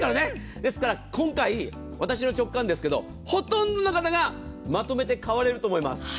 ですから、今回私の直感ですけどほとんどの方がまとめて買われると思います。